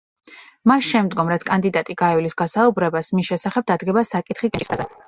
მას შემდგომ, რაც კანდიდატი გაივლის გასაუბრებას, მის შესახებ დადგება საკითხი კენჭისყრაზე.